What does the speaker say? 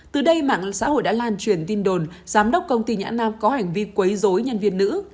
từ đây mạng xã hội đã lan truyền tin đồn giám đốc công ty nhãn nam có hành vi quấy dối nhân viên nữ